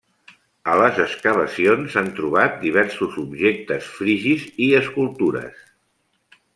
A les excavacions s'han trobat diversos objectes frigis i escultures.